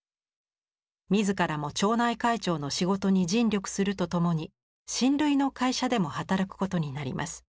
自らも町内会長の仕事に尽力するとともに親類の会社でも働くことになります。